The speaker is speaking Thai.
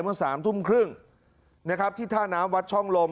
เมื่อ๓ทุ่มครึ่งนะครับที่ท่าน้ำวัดช่องลม